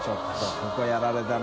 ここやられたな。